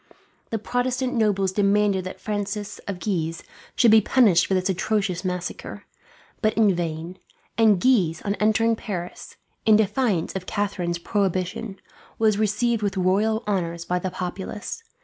The Protestant nobles demanded that Francis of Guise should be punished for this atrocious massacre, but in vain; and Guise, on entering Paris, in defiance of Catharine's prohibition, was received with royal honours by the populace.